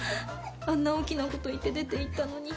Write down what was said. あんな大きな事言って出て行ったのに。